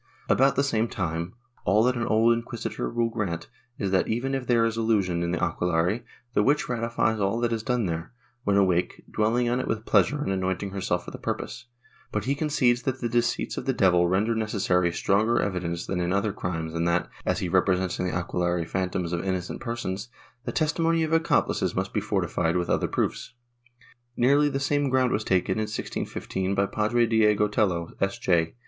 ^ About the same time, all that an old inquisitor will grant is that, even if there is illusion in the aquelarre, the witch ratifies all that is done there, when awake, dwelling on it with pleasure and anointing herself for the purpose, but he concedes that the deceits of the devil render necessary stronger evidence than in other crimes and that, as he represents in the aquelarre phantoms of innocent persons, the testimony of accomplices must he fortified with other proofs.^ Nearly the same ground was taken, in 1650, by Padre Diego Tello, S. J.